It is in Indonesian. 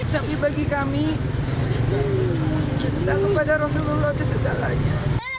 tapi bagi kami cinta kepada rasulullah itu segalanya